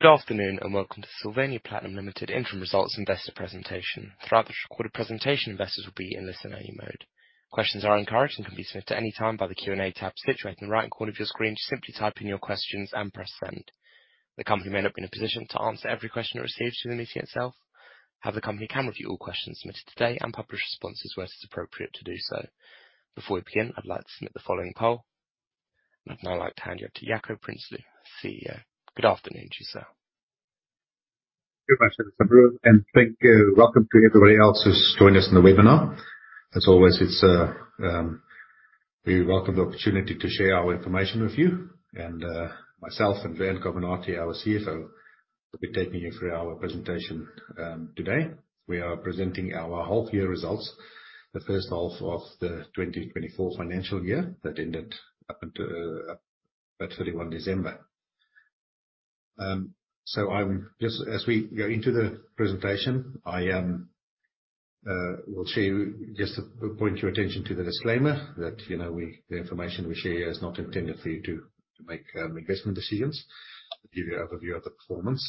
Good afternoon, and welcome to Sylvania Platinum Limited Interim Results Investor Presentation. Throughout this recorded presentation, investors will be in listen-only mode. Questions are encouraged and can be submitted at any time by the Q&A tab situated in the right corner of your screen. Just simply type in your questions and press send. The company may not be in a position to answer every question it receives during the meeting itself. However, the company can review all questions submitted today and publish responses where it is appropriate to do so. Before we begin, I'd like to submit the following poll. I'd now like to hand you over to Jaco Prinsloo, CEO. Good afternoon to you, sir. Thank you very much, and thank you. Welcome to everybody else who's joined us on the webinar. As always, we welcome the opportunity to share our information with you and, myself and Lewanne Carminati, our CFO, will be taking you through our presentation today. We are presenting our half year results, the first half of the 2024 financial year that ended up until 31 December. As we go into the presentation, I will show you just to point your attention to the disclaimer that the information we share here is not intended for you to make investment decisions, but give you an overview of the performance.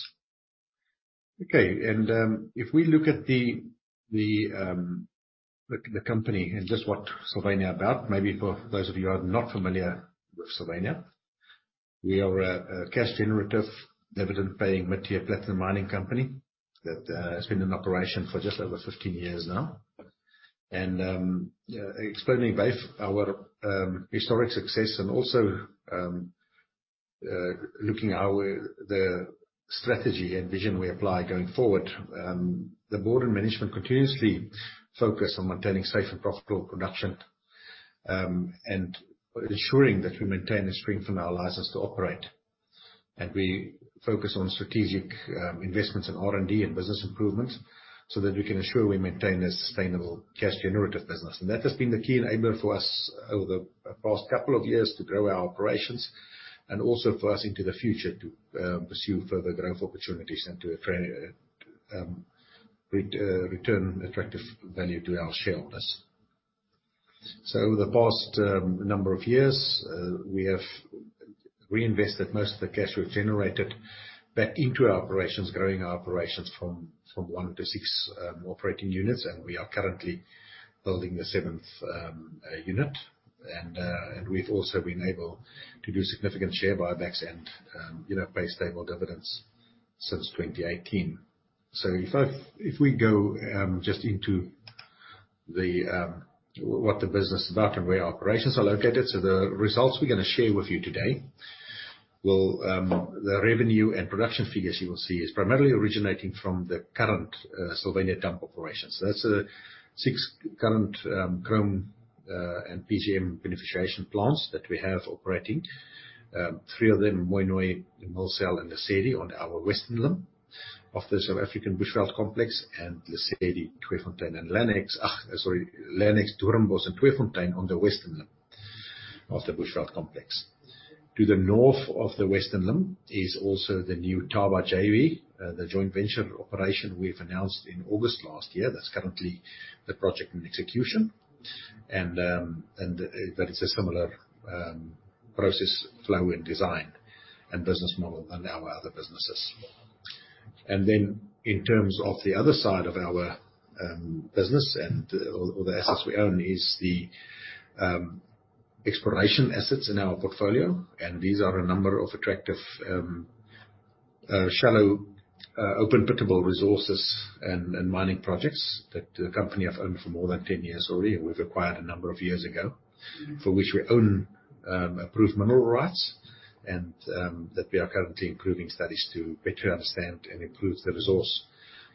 Okay. If we look at the company and just what Sylvania is about, maybe for those of you who are not familiar with Sylvania, we are a cash-generative, dividend-paying, mid-tier platinum mining company that has been in operation for just over 15 years now. Explaining both our historic success and also looking how the strategy and vision we apply going forward, the board and management continuously focus on maintaining safe and profitable production, and ensuring that we maintain the strength in our license to operate. We focus on strategic investments in R&D and business improvements so that we can ensure we maintain a sustainable cash-generative business. That has been the key enabler for us over the past couple of years to grow our operations and also for us into the future to pursue further growth opportunities and to return attractive value to our shareholders. Over the past number of years, we have reinvested most of the cash we've generated back into our operations, growing our operations from one to six operating units, and we are currently building the seventh unit. We've also been able to do significant share buybacks and pay stable dividends since 2018. If we go just into what the business is about and where our operations are located, the results we're going to share with you today, the revenue and production figures you will see is primarily originating from the current Sylvania Dump Operations. That's the six current chrome and PGM beneficiation plants that we have operating. Three of them, Mooinooi, Millsell and Lesedi, are on our western limb of the South African Bushveld Complex and Lesedi, Tweefontein and Lannex, Doornbosch and Tweefontein on the western limb of the Bushveld Complex. To the north of the western limb is also the new Thaba JV, the joint venture operation we've announced in August last year. That's currently the project in execution. That is a similar process flow and design and business model than our other businesses. Then in terms of the other side of our business and all the assets we own is the exploration assets in our portfolio, and these are a number of attractive shallow open-pittable resources and mining projects that the company have owned for more than 10 years already, and we've acquired a number of years ago, for which we own approved mineral rights and that we are currently improving studies to better understand and improve the resource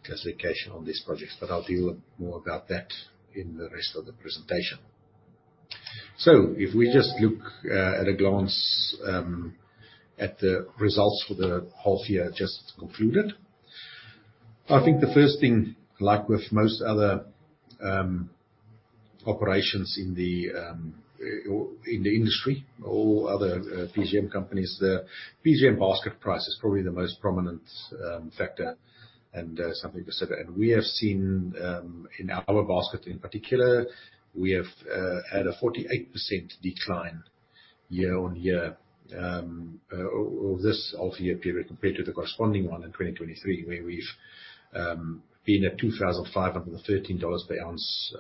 classification on these projects. I'll deal more about that in the rest of the presentation. If we just look at a glance at the results for the half year just concluded, I think the first thing, like with most other operations in the industry or other PGM companies, the PGM basket price is probably the most prominent factor and something to consider. We have seen in our basket in particular, we have had a 48% decline year-on-year or this half year period compared to the corresponding one in 2023, where we've been at $2,513 per ounce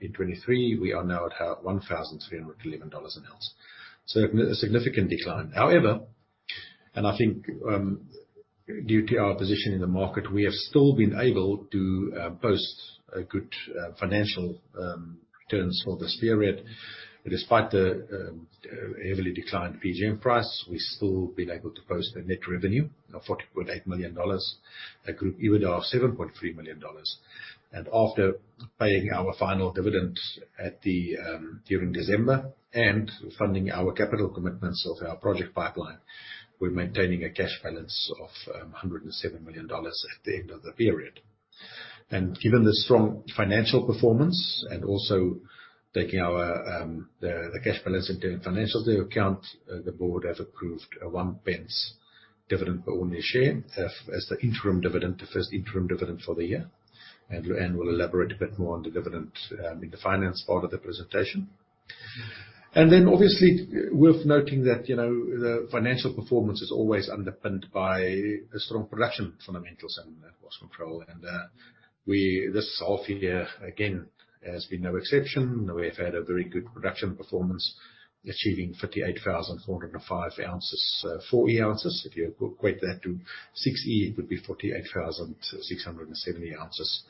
in 2023. We are now at $1,311 an ounce. A significant decline. However, and I think due to our position in the market, we have still been able to post good financial returns for this period. Despite the heavily declined PGM price, we've still been able to post a net revenue of $40.8 million, a group EBITDA of $7.3 million. After paying our final dividend during December and funding our capital commitments of our project pipeline, we're maintaining a cash balance of $107 million at the end of the period. Given the strong financial performance and also taking the cash balance into financial account, the board has approved 0.01 dividend per ordinary share as the interim dividend, the first interim dividend for the year. Lewanne will elaborate a bit more on the dividend in the finance part of the presentation. Then obviously, worth noting that the financial performance is always underpinned by the strong production fundamentals in Bushveld Complex. This half year, again, has been no exception. We have had a very good production performance achieving 58,405 oz, 4E oz. If you equate that to 6E, it would be 48,670 oz,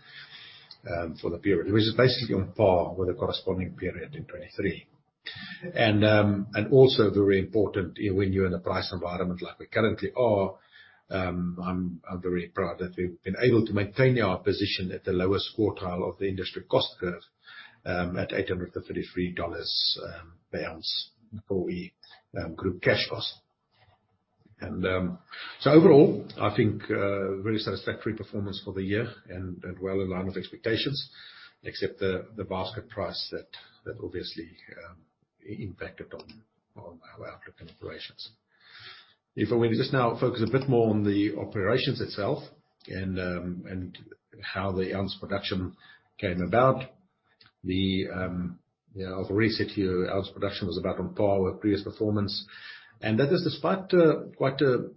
for the period. Which is basically on par with the corresponding period in 2023. Also very important when you're in a price environment like we currently are, I'm very proud that we've been able to maintain our position at the lowest quartile of the industry cost curve, at $833 per ounce before we group cash costs. Overall, I think a really satisfactory performance for the year and well in line with expectations, except the basket price that obviously impacted on our outlook and operations. If we just now focus a bit more on the operations itself and how the ounce production came about. I've already said to you ounce production was about on par with previous performance, and that is despite quite a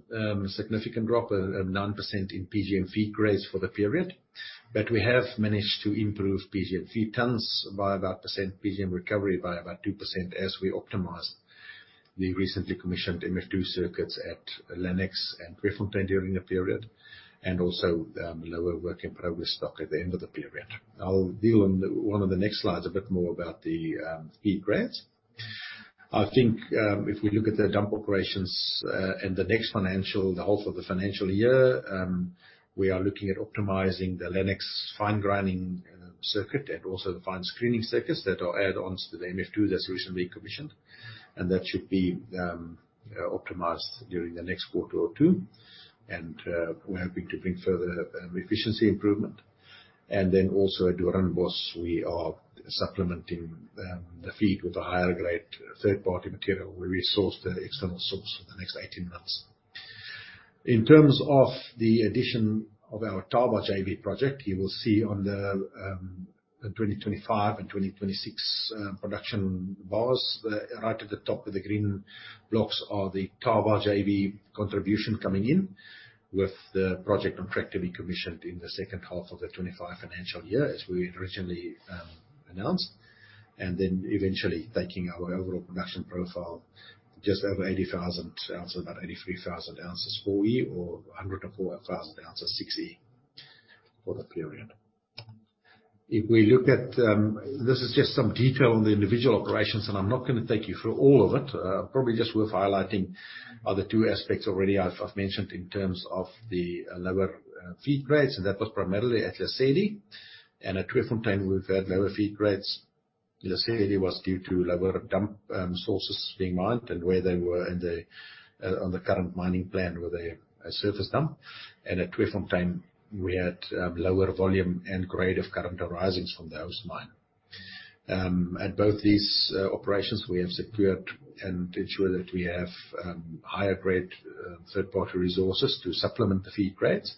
significant drop of 9% in PGM feed grades for the period, but we have managed to improve PGM feed tons by about 2%, PGM recovery by about 2% as we optimize the recently commissioned MF2 circuits at Lannex and Tweefontein during the period, also lower work in progress stock at the end of the period. I'll deal on one of the next slides a bit more about the feed grades. I think, if we look at the dump operations, and the next financial year, the whole of the financial year, we are looking at optimizing the Lannex fine grinding circuit and also the fine screening circuits that are add-ons to the MF2 that's recently commissioned. That should be optimized during the next quarter or two. We're hoping to bring further efficiency improvement. Also at Doornbosch, we are supplementing the feed with a higher grade third-party material. We sourced the external source for the next 18 months. In terms of the addition of our Thaba JV project, you will see on the 2025 and 2026 production bars, right at the top of the green blocks are the Thaba JV contribution coming in with the project on track to be commissioned in the second half of the 2025 financial year as we originally announced. Eventually taking our overall production profile just over 80,000 oz, about 83,000 oz full year or 104,000 oz 6E for the period. This is just some detail on the individual operations, and I'm not going to take you through all of it. Probably just worth highlighting are the two aspects already I've mentioned in terms of the lower feed grades, and that was primarily at Lesedi. At Tweefontein we've had lower feed grades. Lesedi was due to lower dump sources being mined and where they were on the current mining plan with a surface dump. At Tweefontein we had lower volume and grade of current arisings from the host mine. At both these operations, we have secured and ensured that we have higher grade third-party resources to supplement the feed grades.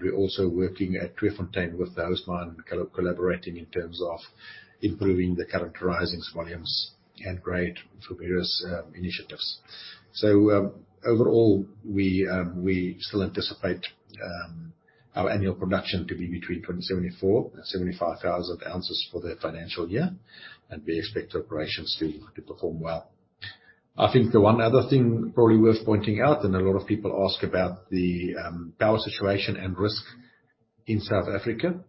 We're also working at Tweefontein with the host mine collaborating in terms of improving the current arisings volumes and grade for various initiatives. Overall, we still anticipate our annual production to be between 274,000 and 75,000 ounces for the financial year, and we expect operations to perform well. I think the one other thing probably worth pointing out, and a lot of people ask about the power situation and risk in South Africa.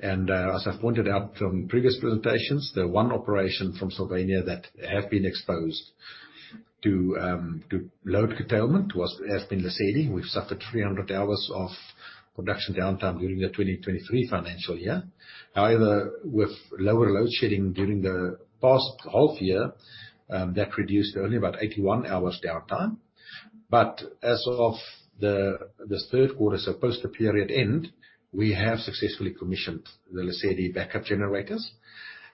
As I've pointed out from previous presentations, the one operation from Sylvania that has been exposed to load curtailment has been Lesedi. We've suffered 300 hours of production downtime during the 2023 financial year. However, with lower load shedding during the past half year, that reduced to only about 81 hours downtime. As of this third quarter, so post the period end, we have successfully commissioned the Lesedi backup generators.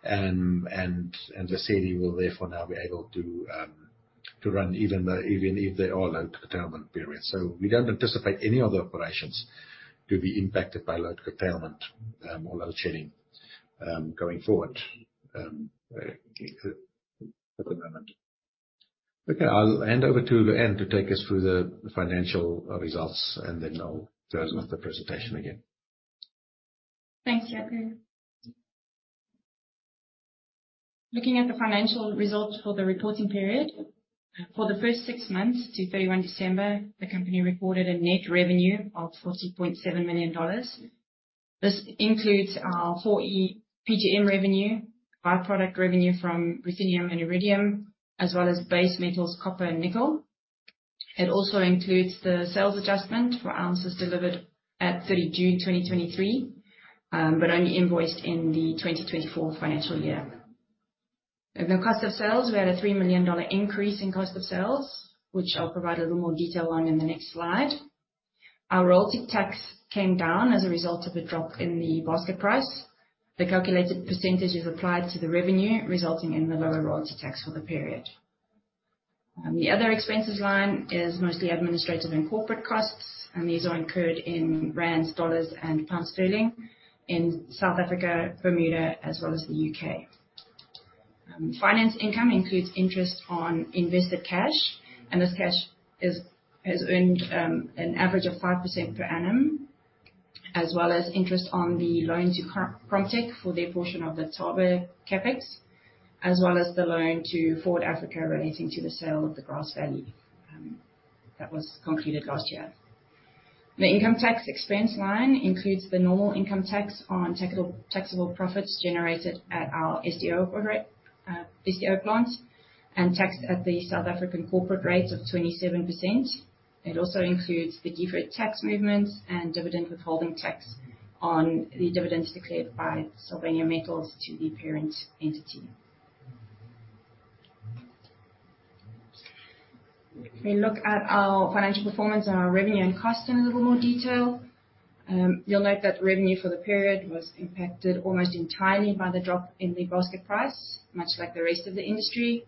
Lesedi will therefore now be able to run even if there are load curtailment periods. We don't anticipate any other operations to be impacted by load curtailment or load shedding going forward at the moment. Okay, I'll hand over to Lewanne to take us through the financial results, and then I'll close off the presentation again. Thanks, Jaco. Looking at the financial results for the reporting period. For the first six months to 31 December, the company reported a net revenue of $40.7 million. This includes our 4E PGM revenue, by-product revenue from ruthenium and iridium, as well as base metals, copper and nickel. It also includes the sales adjustment for ounces delivered at 30 June 2023, but only invoiced in the 2024 financial year. The cost of sales, we had a $3 million increase in cost of sales, which I'll provide a little more detail on in the next slide. Our royalty tax came down as a result of a drop in the basket price. The calculated percentage is applied to the revenue, resulting in the lower royalty tax for the period. The other expenses line is mostly administrative and corporate costs, and these are incurred in rands, dollars, and pounds sterling in South Africa, Bermuda, as well as the U.K. Finance income includes interest on invested cash, and this cash has earned an average of 5% per annum, as well as interest on the loan to Promtek for their portion of the Thaba CapEx, as well as the loan to Forward Africa relating to the sale of the Grasvally that was concluded last year. The income tax expense line includes the normal income tax on taxable profits generated at our SDO plant and taxed at the South African corporate rate of 27%. It also includes the deferred tax movements and dividend withholding tax on the dividends declared by Sylvania Metals to the parent entity. If we look at our financial performance and our revenue and cost in a little more detail, you'll note that revenue for the period was impacted almost entirely by the drop in the basket price, much like the rest of the industry.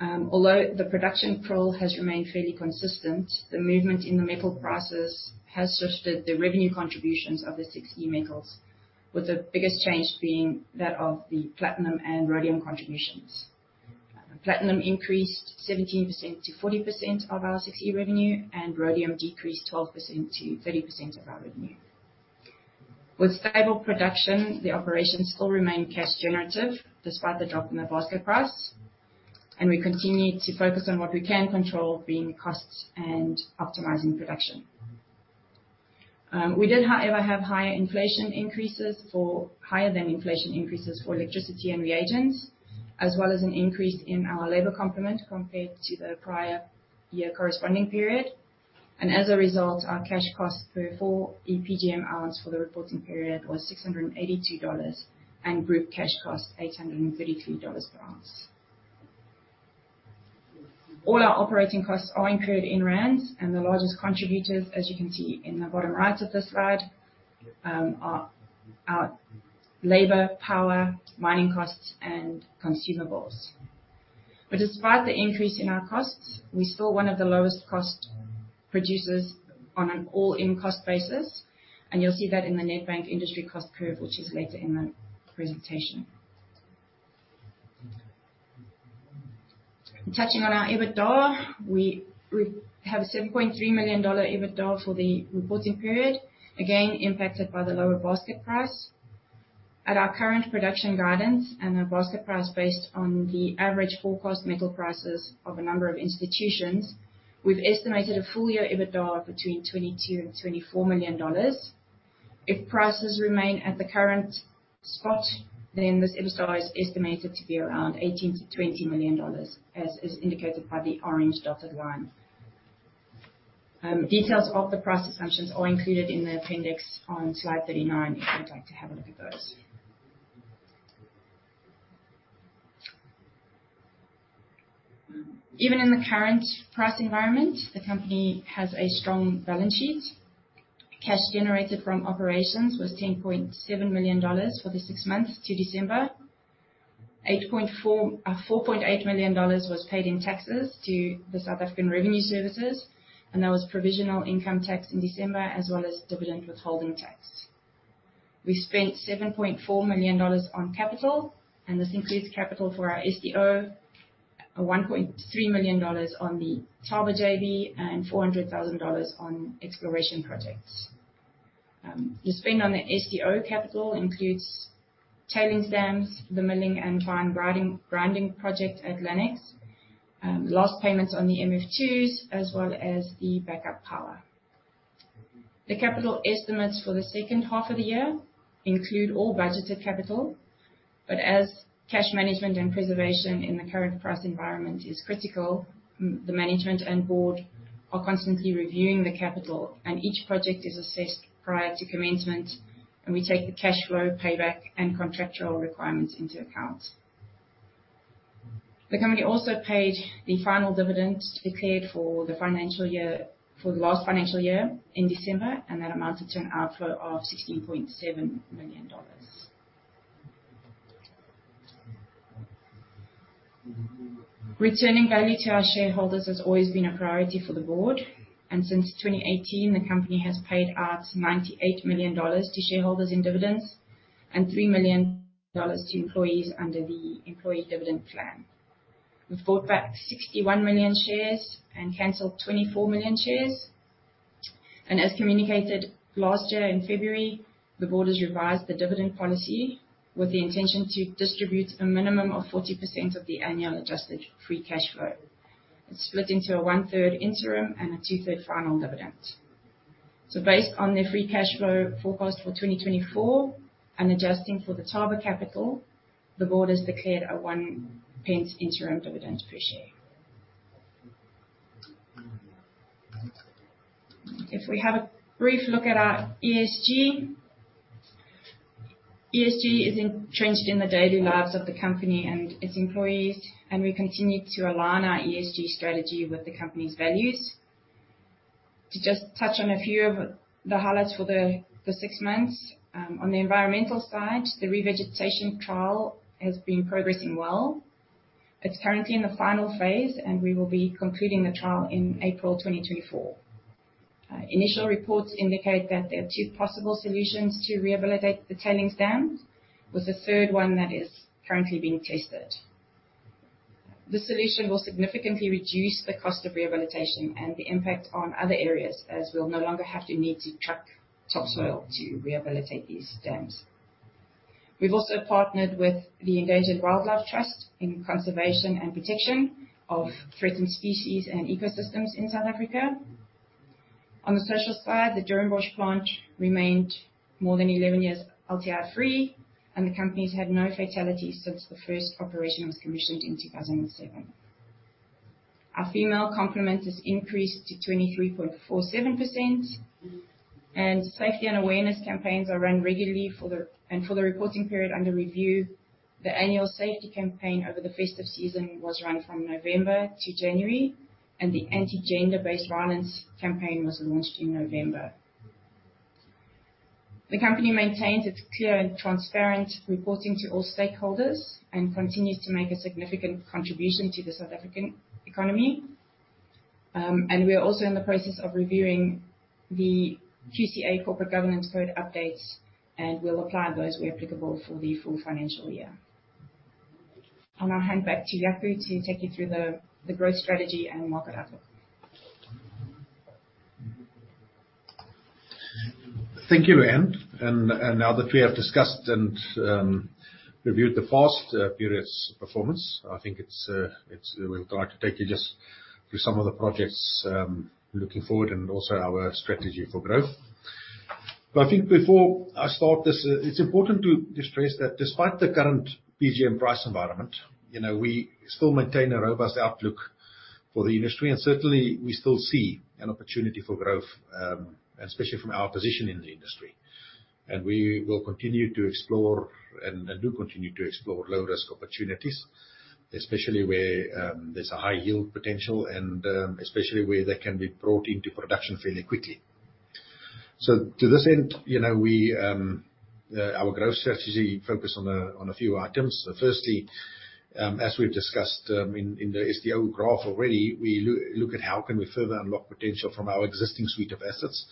Although the production profile has remained fairly consistent, the movement in the metal prices has shifted the revenue contributions of the six key metals, with the biggest change being that of the platinum and rhodium contributions. Platinum increased 17% to 40% of our 6E revenue, and rhodium decreased 12% to 30% of our revenue. With stable production, the operations still remain cash generative despite the drop in the basket price, and we continue to focus on what we can control, being costs and optimizing production. We did, however, have higher than inflation increases for electricity and reagents. As well as an increase in our labor complement compared to the prior year corresponding period. As a result, our cash cost for 4E PGM ounce for the reporting period was $682 and group cash cost $832 per ounce. All our operating costs are incurred in rands, and the largest contributors, as you can see in the bottom right of the slide, are our labor, power, mining costs and consumables. Despite the increase in our costs, we're still one of the lowest cost producers on an all-in cost basis, and you'll see that in the Nedbank industry cost curve, which is later in the presentation. Touching on our EBITDA, we have a $7.3 million EBITDA for the reporting period, again impacted by the lower basket price. At our current production guidance and the basket price based on the average forecast metal prices of a number of institutions, we've estimated a full year EBITDA between $22 million-$24 million. If prices remain at the current spot, then this EBITDA is estimated to be around $18 million-$20 million, as is indicated by the orange dotted line. Details of the price assumptions are included in the appendix on slide 39 if you'd like to have a look at those. Even in the current price environment, the company has a strong balance sheet. Cash generated from operations was $10.7 million for the six months to December. $4.8 million was paid in taxes to the South African Revenue Service, and there was provisional income tax in December, as well as dividend withholding tax. We spent $7.4 million on capital, and this includes capital for our SDO, $1.3 million on the Thaba JV, and $400,000 on exploration projects. The spend on the SDO capital includes tailings dams, the milling and fine grinding project at Lannex, last payments on the MF2s, as well as the backup power. The capital estimates for the second half of the year include all budgeted capital, but as cash management and preservation in the current price environment is critical, the management and board are constantly reviewing the capital, and each project is assessed prior to commencement, and we take the cash flow payback and contractual requirements into account. The company also paid the final dividend declared for the last financial year in December, and that amounts to an outflow of $16.7 million. Returning value to our shareholders has always been a priority for the board, and since 2018, the company has paid out $98 million to shareholders in dividends and $3 million to employees under the employee dividend plan. We've bought back 61 million shares and canceled 24 million shares. As communicated last year in February, the board has revised the dividend policy with the intention to distribute a minimum of 40% of the annual adjusted free cash flow. It's split into a one-third interim and a two-third final dividend. Based on their free cash flow forecast for 2024 and adjusting for the Thaba capital, the board has declared a 0.01 interim dividend per share. If we have a brief look at our ESG. ESG is entrenched in the daily lives of the company and its employees, and we continue to align our ESG strategy with the company's values. To just touch on a few of the highlights for the six months. On the environmental side, the revegetation trial has been progressing well. It's currently in the final phase, and we will be concluding the trial in April 2024. Initial reports indicate that there are two possible solutions to rehabilitate the tailings dams, with a third one that is currently being tested. This solution will significantly reduce the cost of rehabilitation and the impact on other areas, as we'll no longer need to truck topsoil to rehabilitate these dams. We've also partnered with the Endangered Wildlife Trust in conservation and protection of threatened species and ecosystems in South Africa. On the social side, the Doornbosch plant remained more than 11 years LTI-free, and the company's had no fatalities since the first operation was commissioned in 2007. Our female complement has increased to 23.47%, and safety and awareness campaigns are run regularly. For the reporting period under review, the annual safety campaign over the festive season was run from November to January, and the anti-gender-based violence campaign was launched in November. The company maintains its clear and transparent reporting to all stakeholders and continues to make a significant contribution to the South African economy. We are also in the process of reviewing the QCA corporate governance code updates, and we'll apply those where applicable for the full financial year. I'll now hand back to Jaco to take you through the growth strategy and the market outlook. Thank you, Anne. Now that we have discussed and reviewed the past period's performance, I think we'll try to take you just through some of the projects looking forward and also our strategy for growth. I think before I start this, it's important to stress that despite the current PGM price environment, we still maintain a robust outlook for the industry, and certainly, we still see an opportunity for growth, especially from our position in the industry. We will continue to explore and do continue to explore low-risk opportunities, especially where there's a high yield potential and, especially where they can be brought into production fairly quickly. To this end, our growth strategy focus on a few items. Firstly, as we've discussed in the SDO graph already, we look at how can we further unlock potential from our existing suite of assets.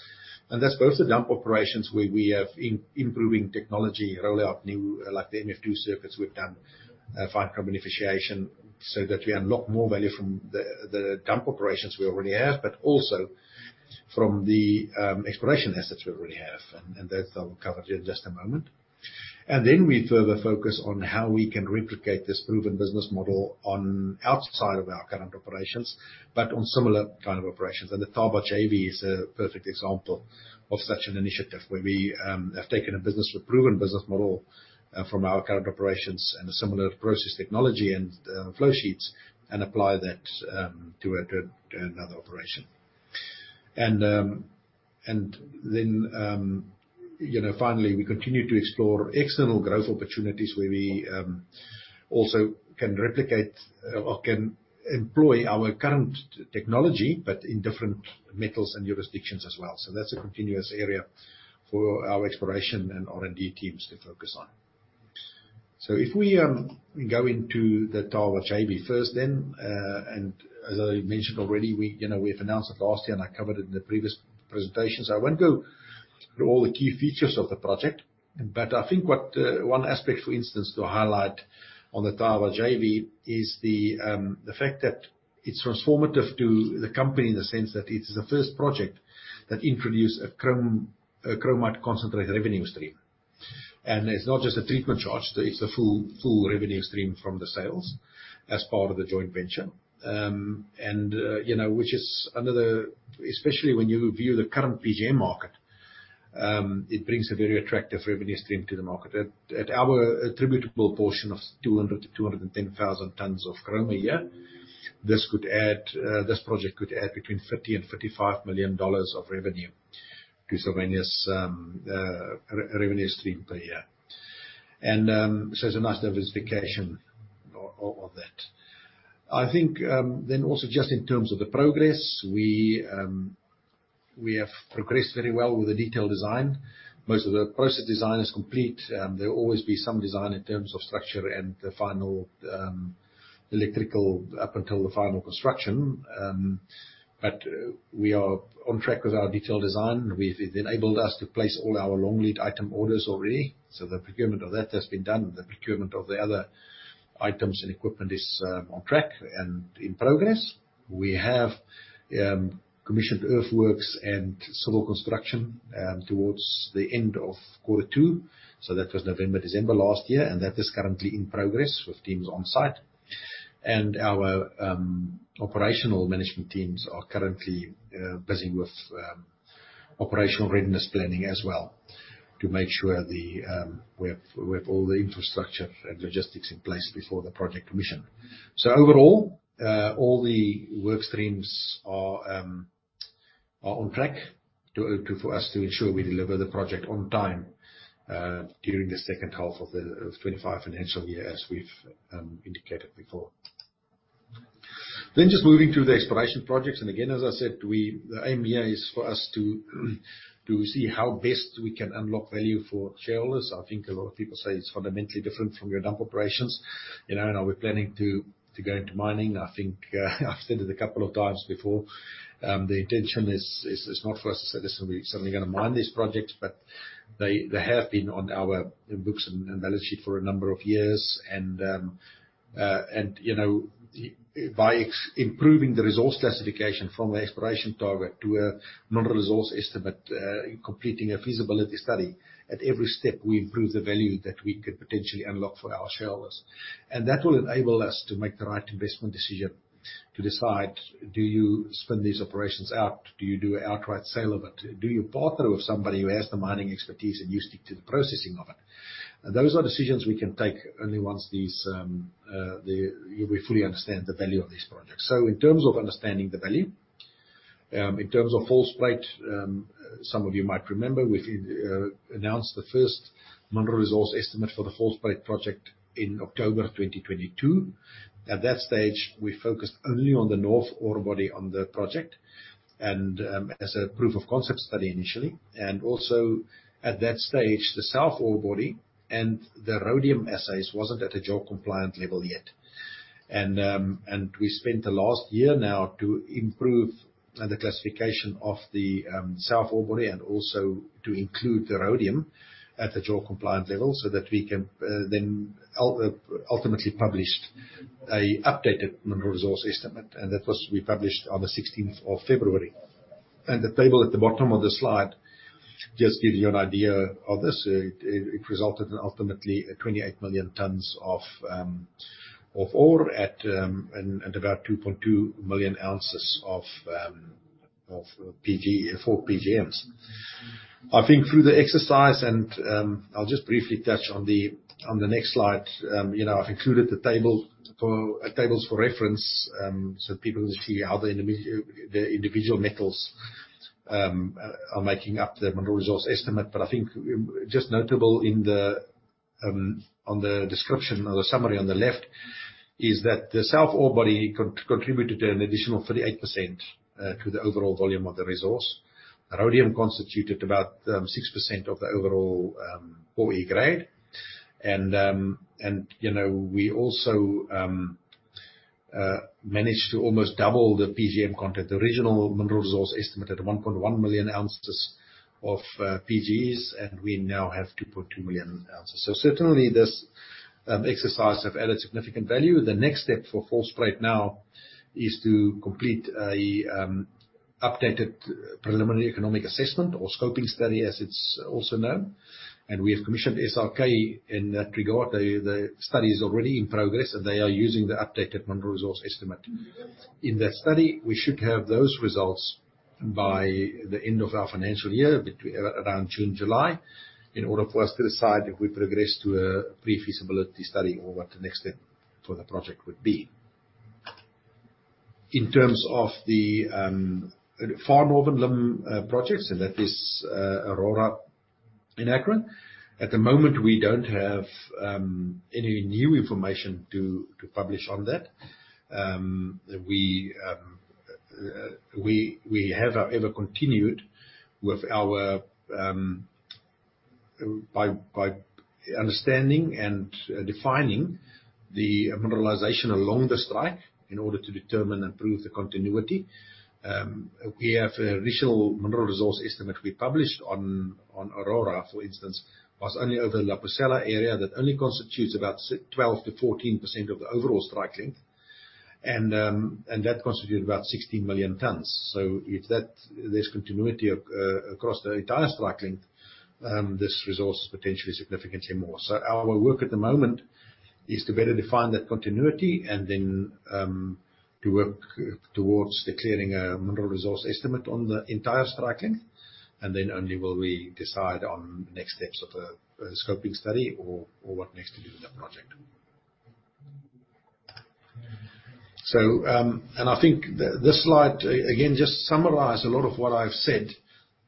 That's both the dump operations where we have improving technology, rolling out new, like the MF2 circuits we've done, fine chrome beneficiation, so that we unlock more value from the dump operations we already have, but also from the exploration assets we already have. That I'll cover here in just a moment. We further focus on how we can replicate this proven business model outside of our current operations, but on similar kind of operations. The Thaba JV is a perfect example of such an initiative where we have taken a business with proven business model from our current operations and a similar process technology and flow sheets and apply that to another operation. Finally, we continue to explore external growth opportunities where we also can replicate or can employ our current technology, but in different metals and jurisdictions as well. That's a continuous area for our exploration and R&D teams to focus on. If we go into the Thaba JV first, then and as I mentioned already, we've announced it last year and I covered it in the previous presentation. I won't go through all the key features of the project, but I think one aspect, for instance, to highlight on the Thaba JV is the fact that it's transformative to the company in the sense that it's the first project that introduced a chromite concentrate revenue stream. It's not just a treatment charge, it's the full revenue stream from the sales as part of the joint venture. Especially when you view the current PGM market, it brings a very attractive revenue stream to the market. At our attributable portion of 200,000 tonnes-210,000 tonnes of chrome a year, this project could add between $30 million-$35 million of revenue to Sylvania's revenue stream per year. It's a nice diversification of that. I think then also just in terms of the progress, we have progressed very well with the detailed design. Most of the process design is complete. There'll always be some design in terms of structure and the final electrical up until the final construction. We are on track with our detailed design. It enabled us to place all our long lead item orders already. The procurement of that has been done. The procurement of the other items and equipment is on track and in progress. We have commissioned earthworks and civil construction towards the end of quarter two. That was November, December last year, and that is currently in progress with teams on site. Our operational management teams are currently busy with operational readiness planning as well to make sure we have all the infrastructure and logistics in place before the project commissioning. Overall, all the work streams are on track for us to ensure we deliver the project on time, during the second half of the 2025 financial year, as we've indicated before. Just moving to the exploration projects. Again, as I said, the aim here is for us to see how best we can unlock value for shareholders. I think a lot of people say it's fundamentally different from your dump operations. Are we planning to go into mining? I think I've said it a couple of times before. The intention is not for us to say, "Listen, we're suddenly going to mine these projects," but they have been on our books and balance sheet for a number of years. By improving the resource classification from an exploration target to a mineral resource estimate, completing a feasibility study, at every step, we improve the value that we could potentially unlock for our shareholders. That will enable us to make the right investment decision to decide, do you spin these operations out? Do you do an outright sale of it? Do you partner with somebody who has the mining expertise and you stick to the processing of it? Those are decisions we can take only once we fully understand the value of these projects. In terms of understanding the value, in terms of False Bay, some of you might remember we announced the first mineral resource estimate for the False Bay project in October of 2022. At that stage, we focused only on the north ore body on the project, and as a proof of concept study initially. Also at that stage, the south ore body and the rhodium assays wasn't at a JORC compliant level yet. We spent the last year now to improve the classification of the south ore body and also to include the rhodium at the JORC compliant level so that we can then ultimately publish an updated mineral resource estimate. That was republished on the 16th of February. The table at the bottom of the slide just gives you an idea of this. It resulted in ultimately 28 million tons of ore at about 2.2 million oz of 4E PGMs. I think through the exercise, and I'll just briefly touch on the next slide. I've included the tables for reference, so people can see how the individual metals are making up the mineral resource estimate. I think, just notable on the description or the summary on the left is that the south ore body contributed an additional 38% to the overall volume of the resource. Rhodium constituted about 6% of the overall 4E grade. We also managed to almost double the PGM content. The original mineral resource estimate at 1.1 million oz of PGMs, and we now have 2.2 million oz. Certainly this exercise have added significant value. The next step for False Bay now is to complete an updated preliminary economic assessment or scoping study, as it's also known. We have commissioned SRK in that regard. The study is already in progress, and they are using the updated mineral resource estimate. In that study, we should have those results by the end of our financial year, around June, July, in order for us to decide if we progress to a pre-feasibility study or what the next step for the project would be. In terms of the Far Northern Limb projects, that is Aurora and Hacra. At the moment, we don't have any new information to publish on that. We have, however, continued by understanding and defining the mineralization along the strike in order to determine and prove the continuity. We have an initial mineral resource estimate we published on Aurora, for instance, was only over La Pucella area that only constitutes about 12%-14% of the overall strike length. That constituted about 16 million tons. If there's continuity across the entire strike length, this resource is potentially significantly more. Our work at the moment is to better define that continuity and then to work towards declaring a mineral resource estimate on the entire strike length. Then only will we decide on next steps of a scoping study or what next to do with that project. I think this slide, again, just summarize a lot of what I've said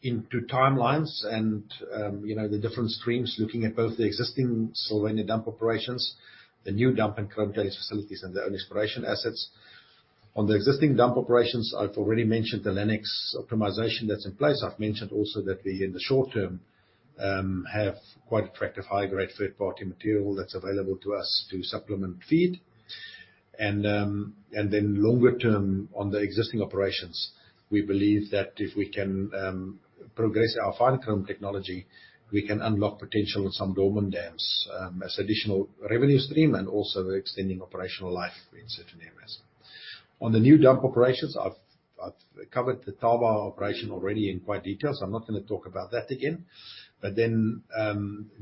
into timelines and the different streams, looking at both the existing Sylvania dump operations, the new dump and chrome tailings facilities and their own exploration assets. On the existing dump operations, I've already mentioned the Lannex optimization that's in place. I've mentioned also that we, in the short term, have quite attractive high-grade third-party material that's available to us to supplement feed. Longer term on the existing operations, we believe that if we can progress our fine chrome technology, we can unlock potential in some dormant dams as additional revenue stream and also the extending operational life in certain areas. On the new dump operations, I've covered the Thaba operation already in quite detail, so I'm not going to talk about that again.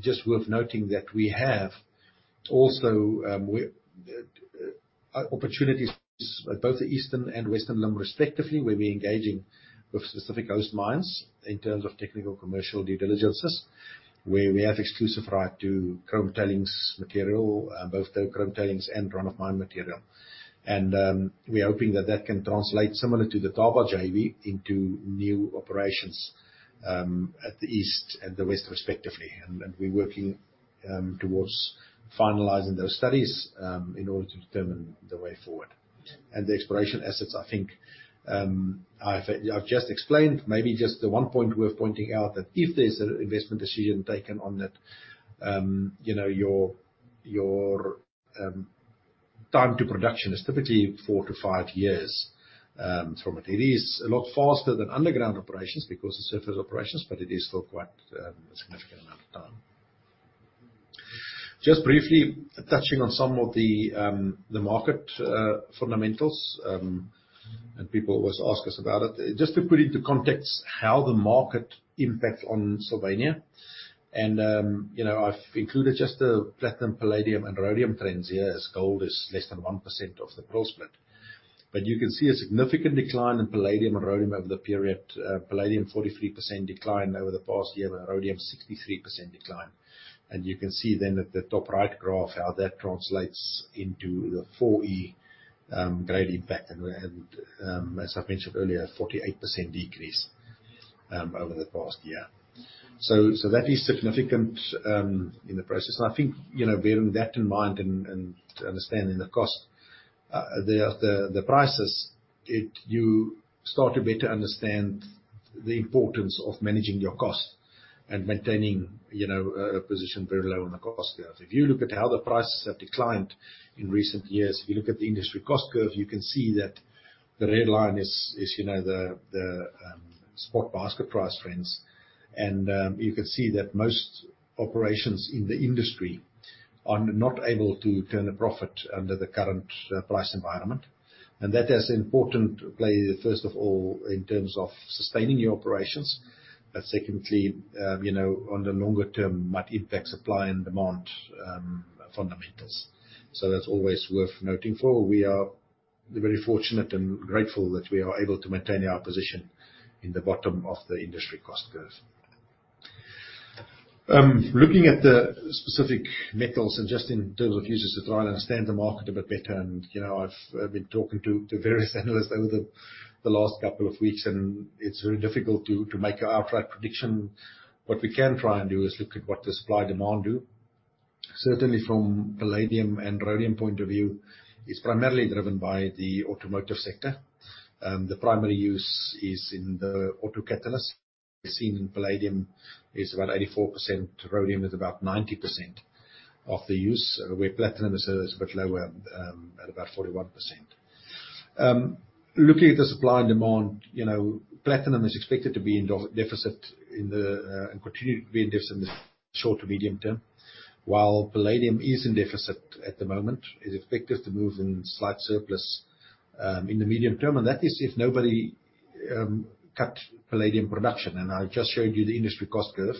Just worth noting that we have also opportunities at both the Eastern and Western Limb, respectively, where we're engaging with specific host mines in terms of technical commercial due diligences, where we have exclusive right to chrome tailings material, both the chrome tailings and run-of-mine material. We're hoping that that can translate similar to the Thaba JV into new operations at the East and the West, respectively. We're working towards finalizing those studies in order to determine the way forward. The exploration assets, I think I've just explained, maybe just the one point worth pointing out that if there's an investment decision taken on that, time to production is typically four to five years from it. It is a lot faster than underground operations because of surface operations, but it is still quite a significant amount of time. Just briefly touching on some of the market fundamentals, and people always ask us about it. Just to put into context how the market impacts on Sylvania, and I've included just the platinum, palladium, and rhodium trends here, as gold is less than 1% of the gross profit. You can see a significant decline in palladium and rhodium over the period. Palladium, 43% decline over the past year, and rhodium, 63% decline. You can see then at the top right graph how that translates into the 4E grade impact and, as I mentioned earlier, a 48% decrease over the past year. That is significant in the process. I think, bearing that in mind and understanding the prices, you start to better understand the importance of managing your costs and maintaining a position very low on the cost curve. If you look at how the prices have declined in recent years, if you look at the industry cost curve, you can see that the red line is the spot basket price trends. You can see that most operations in the industry are not able to turn a profit under the current price environment. That has an important play, first of all, in terms of sustaining your operations. Secondly, on the longer term, might impact supply and demand fundamentals. That's always worth noting for. We are very fortunate and grateful that we are able to maintain our position in the bottom of the industry cost curve. Looking at the specific metals and just in terms of users to try and understand the market a bit better. I've been talking to various analysts over the last couple of weeks, and it's very difficult to make an outright prediction. What we can try and do is look at what the supply-demand do. Certainly from Palladium and Rhodium point of view, it's primarily driven by the automotive sector. The primary use is in the auto catalyst. We're seeing Palladium is about 84%, Rhodium is about 90% of the use, where Platinum is a bit lower at about 41%. Looking at the supply and demand, platinum is expected to be in deficit and continue to be in deficit in the short to medium term. While palladium is in deficit at the moment, it's expected to move in slight surplus in the medium term. That is if nobody cuts palladium production. I just showed you the industry cost curve.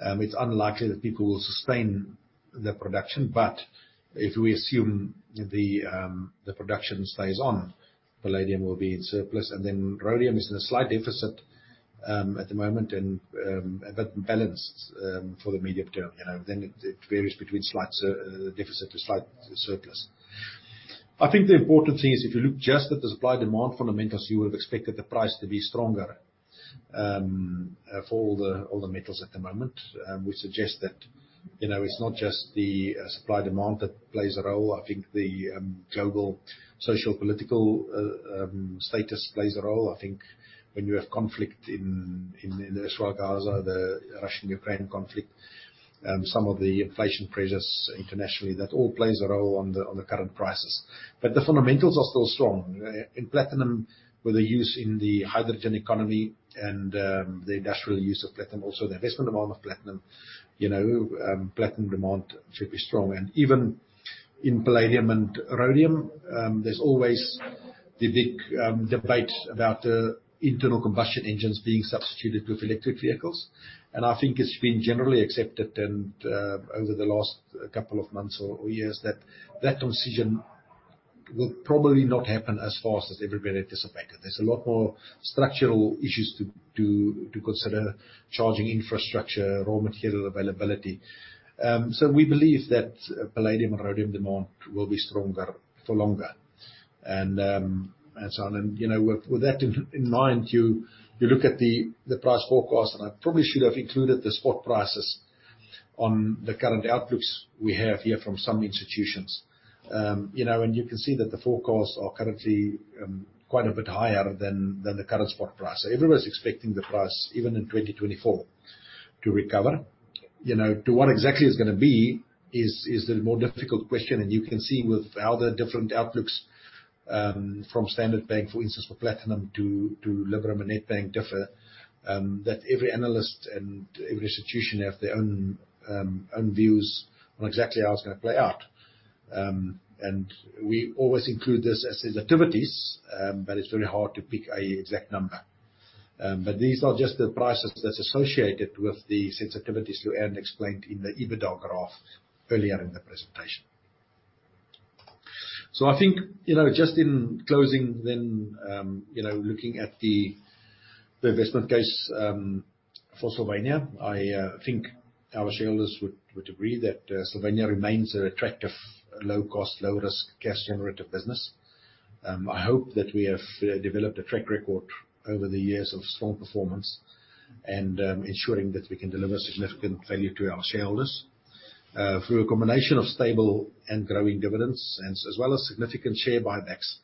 It's unlikely that people will sustain their production. If we assume the production stays on, palladium will be in surplus. Rhodium is in a slight deficit at the moment and a bit balanced for the medium term. It varies between slight deficit to slight surplus. I think the important thing is if you look just at the supply-demand fundamentals, you would have expected the price to be stronger for all the metals at the moment, which suggests that it's not just the supply-demand that plays a role. I think the global sociopolitical status plays a role. I think when you have conflict in Israel and Gaza, the Russian-Ukraine conflict, some of the inflation pressures internationally, that all plays a role on the current prices. The fundamentals are still strong. In platinum, with the use in the hydrogen economy and the industrial use of platinum, also the investment demand of platinum demand should be strong. Even in palladium and rhodium, there's always the big debate about the internal combustion engines being substituted with electric vehicles. I think it's been generally accepted over the last couple of months or years that that transition will probably not happen as fast as everybody anticipated. There's a lot more structural issues to consider, charging infrastructure, raw material availability. We believe that Palladium and Rhodium demand will be stronger for longer and so on. With that in mind, you look at the price forecast, and I probably should have included the spot prices on the current outlooks we have here from some institutions. You can see that the forecasts are currently quite a bit higher than the current spot price. Everyone's expecting the price, even in 2024, to recover. To what exactly it's going to be is the more difficult question. You can see with how the different outlooks from Standard Bank, for instance, for platinum to Liberum and Nedbank differ, that every analyst and every institution have their own views on exactly how it's going to play out. We always include this as sensitivities, but it's very hard to pick an exact number. These are just the prices that's associated with the sensitivities Lewanne explained in the EBITDA graph earlier in the presentation. I think, just in closing then, looking at the investment case for Sylvania, I think our shareholders would agree that Sylvania remains an attractive, low-cost, low-risk cash generative business. I hope that we have developed a track record over the years of strong performance and ensuring that we can deliver significant value to our shareholders through a combination of stable and growing dividends as well as significant share buybacks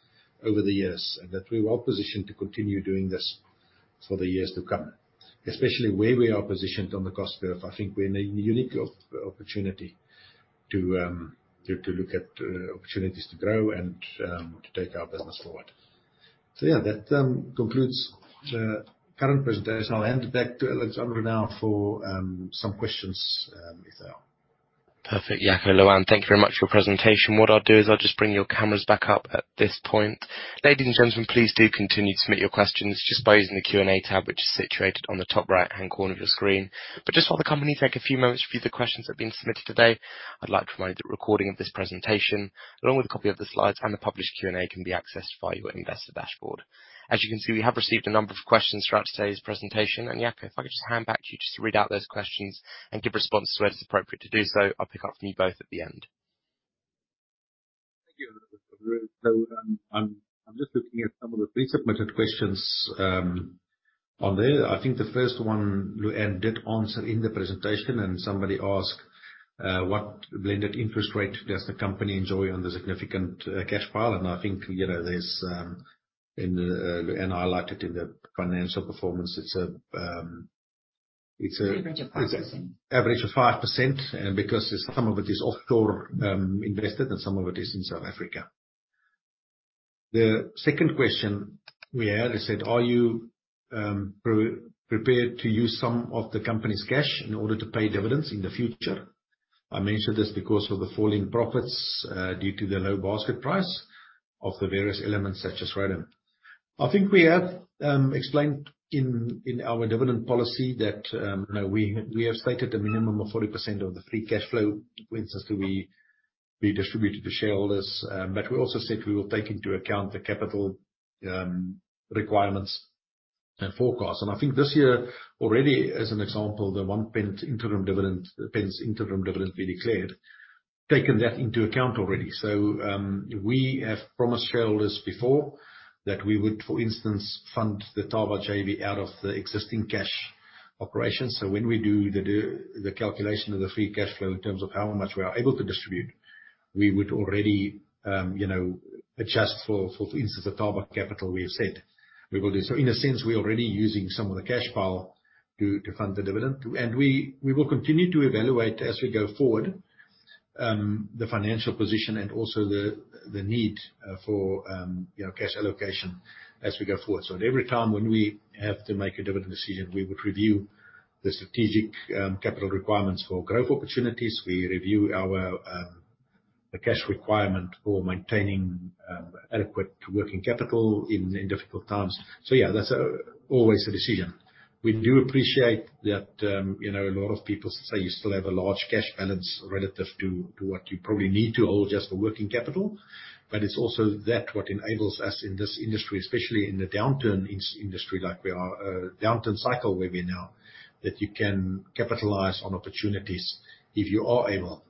over the years. that we're well-positioned to continue doing this. For the years to come, especially where we are positioned on the cost curve. I think we're in a unique opportunity to look at opportunities to grow and to take our business forward. Yeah, that concludes the current presentation. I'll hand it back to Alexander now for some questions, if there are. Perfect. Yeah. Lewanne, thank you very much for your presentation. What I'll do is I'll just bring your cameras back up at this point. Ladies and gentlemen, please do continue to submit your questions just by using the Q&A tab, which is situated on the top right-hand corner of your screen. Just while the company take a few moments to view the questions that have been submitted today, I'd like to remind you that a recording of this presentation, along with a copy of the slides and the published Q&A, can be accessed via your investor dashboard. As you can see, we have received a number of questions throughout today's presentation. Jaco, if I could just hand back to you just to read out those questions and give responses where it is appropriate to do so. I'll pick up from you both at the end. Thank you, Alexander. I'm just looking at some of the pre-submitted questions on there. I think the first one Lewanne did answer in the presentation, and somebody asked, what blended interest rate does the company enjoy on the significant cash pile? And I think there's, and I liked it in the financial performance. It's a- Average of 5%. Average of 5% because some of it is offshore, invested and some of it is in South Africa. The second question we had said, "Are you prepared to use some of the company's cash in order to pay dividends in the future?" I mentioned this because of the falling profits, due to the low basket price of the various elements such as rhodium. I think we have explained in our dividend policy that we have stated a minimum of 40% of the free cash flow, for instance, will be distributed to shareholders. We also said we will take into account the capital requirements and forecasts. I think this year already as an example, the 0.01 Interim dividend be declared, taken that into account already. We have promised shareholders before that we would, for instance, fund the Thaba JV out of the existing cash operations. When we do the calculation of the free cash flow in terms of how much we are able to distribute, we would already adjust for instance, the Thaba capital we have said we will do. In a sense, we're already using some of the cash pile to fund the dividend. We will continue to evaluate as we go forward, the financial position and also the need for cash allocation as we go forward. At every time when we have to make a dividend decision, we would review the strategic capital requirements for growth opportunities. We review our cash requirement for maintaining adequate working capital in difficult times. Yeah, that's always a decision. We do appreciate that a lot of people say you still have a large cash balance relative to what you probably need to hold just for working capital. It's also that what enables us in this industry, especially in the downturn in industry like we are, downturn cycle where we are now, that you can capitalize on opportunities if you are able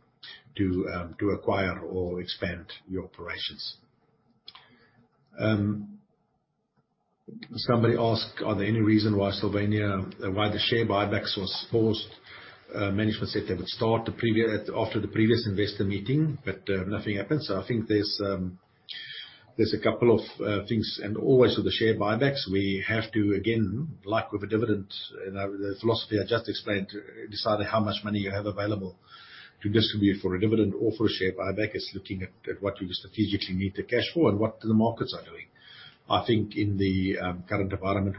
to acquire or expand your operations. Somebody asked, "Are there any reason why Sylvania, why the share buybacks was paused?" Management said they would start after the previous investor meeting, but nothing happened. I think there's a couple of things and always with the share buybacks, we have to again, like with a dividend, the philosophy I just explained, decide how much money you have available to distribute for a dividend or for a share buyback. It's looking at what we strategically need the cash for and what the markets are doing. I think in the current environment,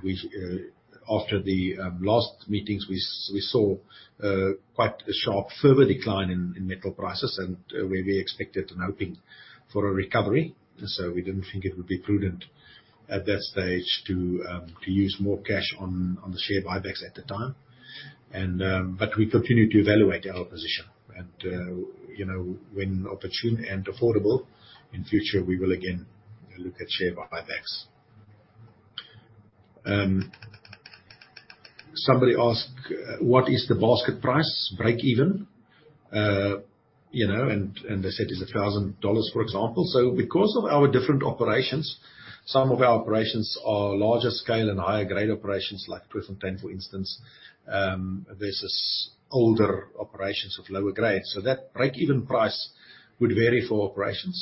after the last meetings, we saw quite a sharp further decline in metal prices, and we're expected and hoping for a recovery. We didn't think it would be prudent at that stage to use more cash on the share buybacks at the time. We continue to evaluate our position and, when opportune and affordable in future, we will again look at share buybacks. Somebody asked, "What is the basket price break even?" They said, "Is it $1,000, for example?" Because of our different operations, some of our operations are larger scale and higher grade operations like Tweefontein, for instance, versus older operations of lower grade. That break even price would vary for operations.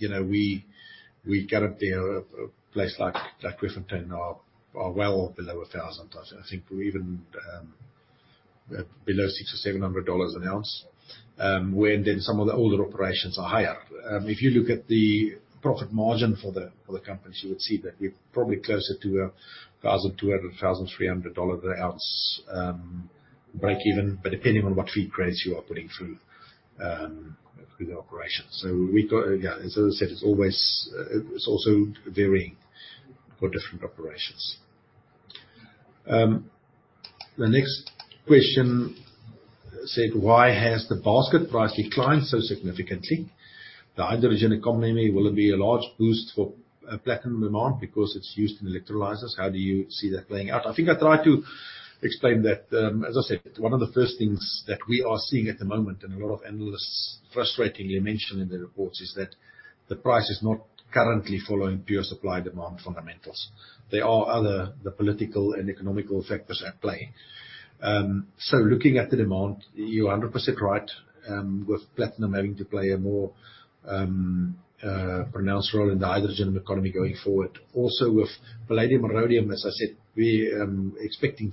We got up there, a place like Tweefontein are well below $1,000. I think we're even below $600, $700 an ounce. Where then some of the older operations are higher. If you look at the profit margin for the company, you would see that we're probably closer to $1,200-$1,300 an ounce break even. Depending on what feed grades you are putting through the operations. As I said, it's also varying for different operations. The next question said, "Why has the basket price declined so significantly? The hydrogen economy, will it be a large boost for platinum demand because it's used in electrolyzers? How do you see that playing out?" I think I tried to explain that. As I said, one of the first things that we are seeing at the moment, and a lot of analysts frustratingly mention in their reports, is that the price is not currently following pure supply-demand fundamentals. There are other political and economic factors at play. Looking at the demand, you're 100% right, with Platinum having to play a more pronounced role in the hydrogen economy going forward. Also with Palladium and Rhodium, as I said, we're expecting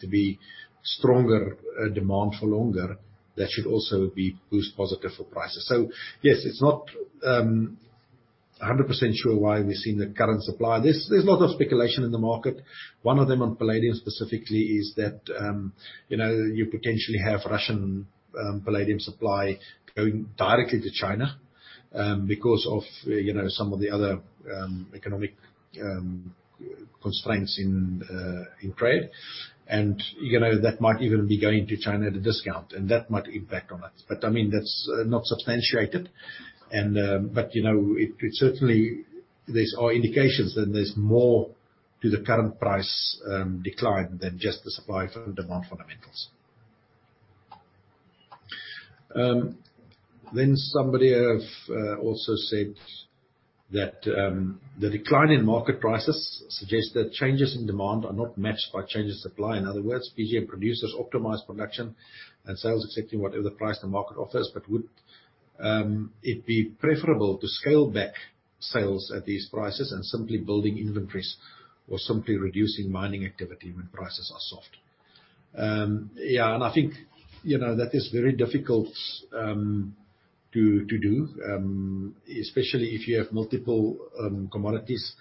stronger demand for longer. That should also be a positive boost for prices. Yes, it's not 100% sure why we're seeing the current supply. There's a lot of speculation in the market. One of them on Palladium specifically is that you potentially have Russian Palladium supply going directly to China because of some of the other economic constraints in trade. And that might even be going to China at a discount, and that might impact on us. That's not substantiated. Certainly, there's indications that there's more to the current price decline than just the supply-and-demand fundamentals. Somebody else also said that the decline in market prices suggests that changes in demand are not matched by changes in supply. In other words, PGM producers optimize production and sales, accepting whatever price the market offers. Would it be preferable to scale back sales at these prices and simply building inventories or simply reducing mining activity when prices are soft? Yeah. I think that is very difficult to do, especially if you have multiple commodities.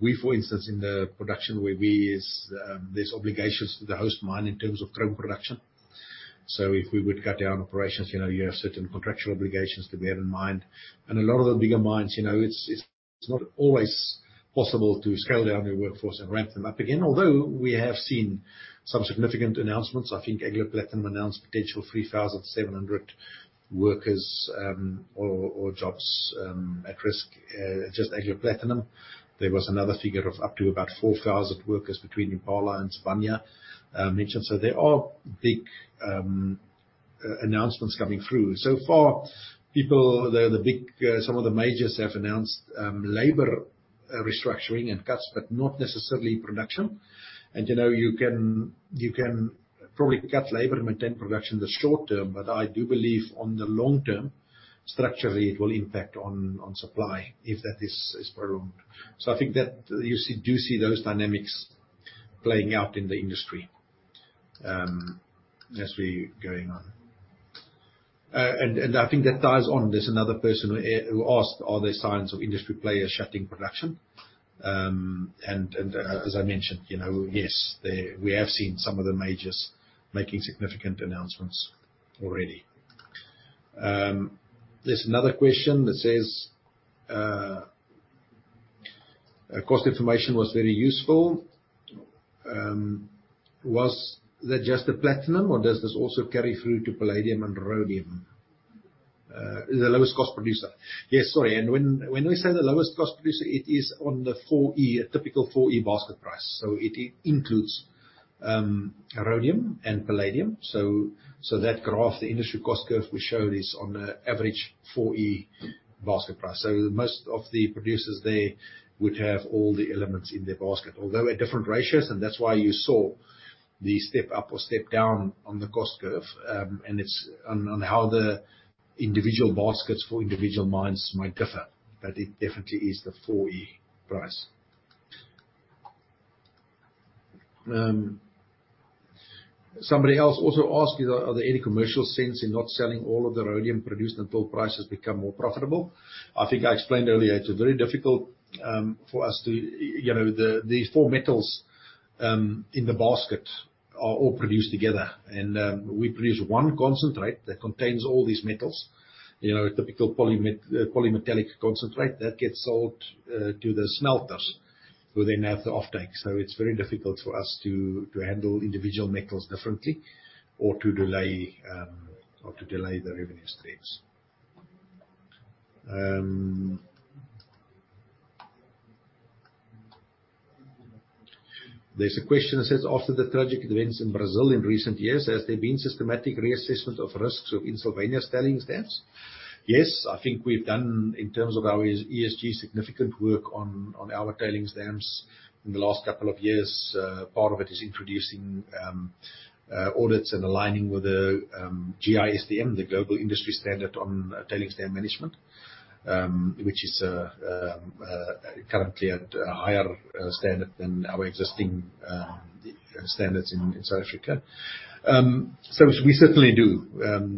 We, for instance, in the production where we is, there's obligations to the host mine in terms of chrome production. If we would cut down operations, you have certain contractual obligations that we have in mind. A lot of the bigger mines, it's not always possible to scale down your workforce and ramp them up again, although we have seen some significant announcements. I think Anglo American Platinum announced potential 3,700 workers or jobs at risk, just Anglo American Platinum. There was another figure of up to about 4,000 workers between Impala and Sylvania mentioned. There are big announcements coming through. So far, some of the majors have announced labor restructuring and cuts, but not necessarily production. You can probably cut labor and maintain production in the short term, but I do believe on the long term, structurally, it will impact on supply if that is prolonged. I think that you do see those dynamics playing out in the industry necessarily going on. I think that ties on, there's another person who asked, are there signs of industry players shutting production? As I mentioned, yes, we have seen some of the majors making significant announcements already. There's another question that says, cost information was very useful. Was that just the platinum or does this also carry through to palladium and rhodium? The lowest cost producer. Yes, sorry. When we say the lowest cost producer, it is on the typical 4E basket price, so it includes rhodium and palladium. That graph, the industry cost curve we showed is on an average 4E basket price. Most of the producers there would have all the elements in their basket, although at different ratios, and that's why you saw the step up or step down on the cost curve. It's on how the individual baskets for individual mines might differ. It definitely is the 4E price. Somebody else also asked, are there any commercial sense in not selling all of the rhodium produced until prices become more profitable? I think I explained earlier, it's very difficult for us to. These four metals in the basket are all produced together. We produce one concentrate that contains all these metals. A typical polymetallic concentrate that gets sold to the smelters, who then have the offtake. It's very difficult for us to handle individual metals differently or to delay the revenue streams. There's a question that says, after the tragic events in Brazil in recent years, has there been systematic reassessment of risks of Sylvania's tailings dams? Yes, I think we've done, in terms of our ESG, significant work on our tailings dams in the last couple of years. Part of it is introducing audits and aligning with the GISTM, the Global Industry Standard on Tailings Management, which is currently at a higher standard than our existing standards in South Africa. We certainly do.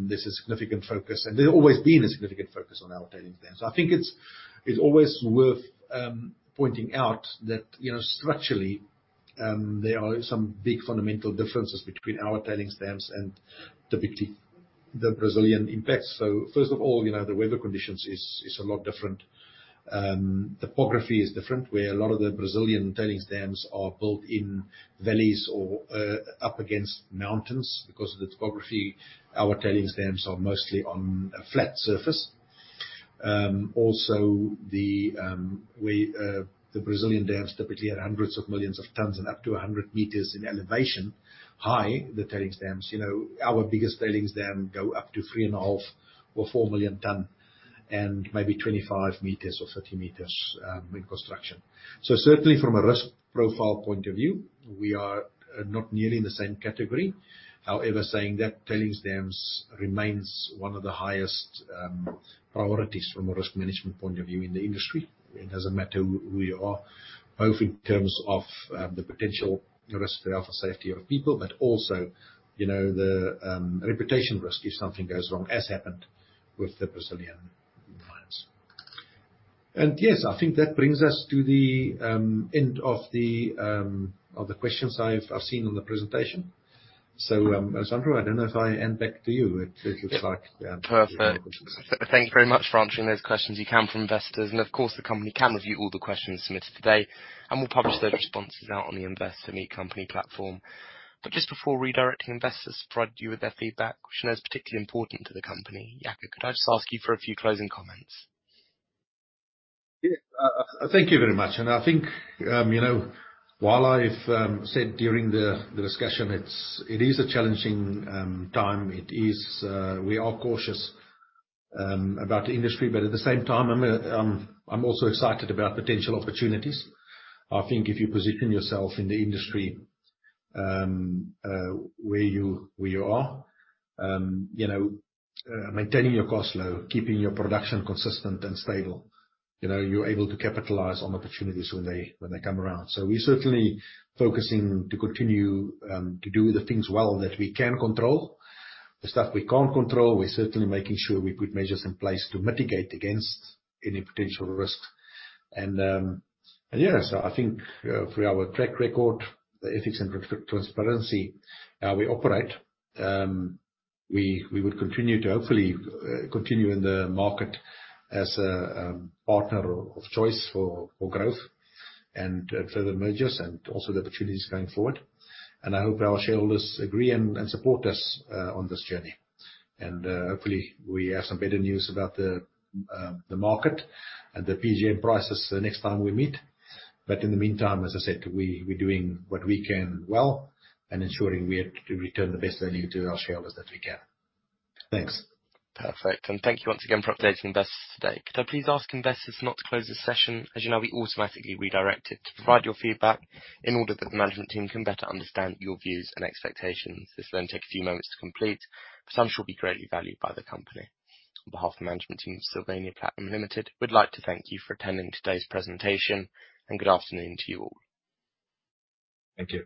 This is significant focus, and there's always been a significant focus on our tailings dams. I think it's always worth pointing out that structurally, there are some big fundamental differences between our tailings dams and typically the Brazilian impacts. First of all, the weather conditions is a lot different. Topography is different, where a lot of the Brazilian tailings dams are built in valleys or up against mountains. Because of the topography, our tailings dams are mostly on a flat surface. Also, the Brazilian dams typically are hundreds of millions of tons and up to 100 m in elevation high, the tailings dams. Our biggest tailings dam go up to 3.5 or 4 million ton and maybe 25 m or 30 m in construction. Certainly from a risk profile point of view, we are not nearly in the same category. However, saying that, tailings dams remains one of the highest priorities from a risk management point of view in the industry. It doesn't matter where you are, both in terms of the potential risk for health or safety of people, but also, the reputation risk if something goes wrong, as happened with the Brazilian. Yes, I think that brings us to the end of the questions I've seen on the presentation. So Sandro, I don't know if I hand back to you. It looks like- Perfect. Thank you very much for answering those questions from investors. Of course, the company can review all the questions submitted today, and will publish those responses out on the Investor Meet Company platform. Just before redirecting investors to provide you with their feedback, which I know is particularly important to the company, Jaco, could I just ask you for a few closing comments? Yeah. Thank you very much. I think, while I've said during the discussion, it is a challenging time. We are cautious about the industry, but at the same time, I'm also excited about potential opportunities. I think if you position yourself in the industry, where you are, maintaining your cost low, keeping your production consistent and stable, you're able to capitalize on opportunities when they come around. We're certainly focusing to continue, to do the things well that we can control. The stuff we can't control, we're certainly making sure we put measures in place to mitigate against any potential risk. Yes, I think through our track record, the ethics and transparency how we operate, we would continue to hopefully continue in the market as a partner of choice for growth and further mergers and also the opportunities going forward. I hope our shareholders agree and support us on this journey. Hopefully we have some better news about the market and the PGM prices the next time we meet. In the meantime, as I said, we're doing what we can well and ensuring we return the best value to our shareholders that we can. Thanks. Perfect. Thank you once again for updating investors today. Could I please ask investors not to close this session? As you know, we automatically redirect it to provide your feedback in order that the management team can better understand your views and expectations. This will then take a few moments to complete, but it shall be greatly valued by the company. On behalf of the management team at Sylvania Platinum Limited, we'd like to thank you for attending today's presentation, and good afternoon to you all. Thank you.